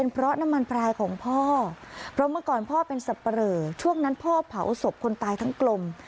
เพราะเมื่อก่อนพ่อเป็นสเปรอช่วงนั้นพ่อเผาศพคนตายทั้งกลม